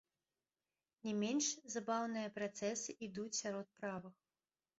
Не менш забаўныя працэсы ідуць сярод правых.